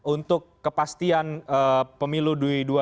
untuk kepastian pemilu dua ribu dua puluh